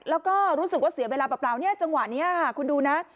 แล้วก็รู้สึกว่าเสียเวลาเปล่าเนี่ยจังหวะนี้ค่ะคุณดูนะ